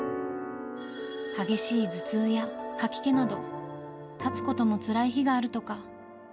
激しい頭痛や吐き気など、立つこともつらい日があるとか。